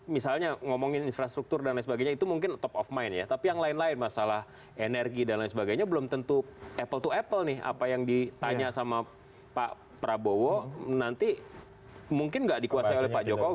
misalnya ngomongin infrastruktur dan lain sebagainya itu mungkin top of mind ya tapi yang lain lain masalah energi dan lain sebagainya belum tentu apple to apple nih apa yang ditanya sama pak prabowo nanti mungkin nggak dikuasai oleh pak jokowi